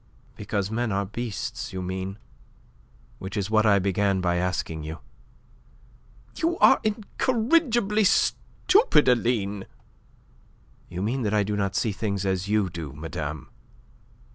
"Because men are beasts, you mean which is what I began by asking you." "You are incorrigibly stupid, Aline." "You mean that I do not see things as you do, madame.